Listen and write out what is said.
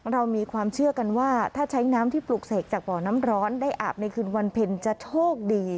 เรามีความเชื่อกันว่าถ้าใช้น้ำที่ปลูกเสกจากบ่อน้ำร้อนได้อาบในคืนวันเพ็ญจะโชคดี